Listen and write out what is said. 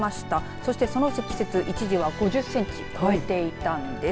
そしてその積雪、一時は５０センチを超えていたんです。